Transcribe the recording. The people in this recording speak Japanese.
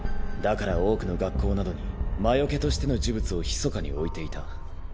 だから多くの学校などに魔除けとしての呪物をひそかに置いていた。